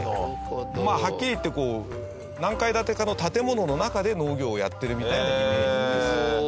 はっきり言って何階建てかの建物の中で農業をやってるみたいなイメージです。